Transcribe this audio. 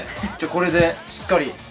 これで、しっかり。